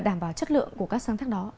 đảm bảo chất lượng của các sáng tác đó